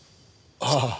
ああ。